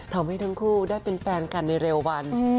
ทำให้ทั้งคู่ได้เป็นแฟนกันในเร็ววัน